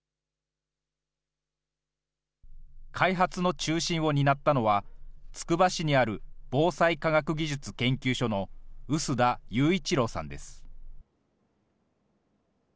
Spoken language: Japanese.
開発の中心を担ったのは、つくば市にある防災科学技術研究所の臼田裕一郎さんです。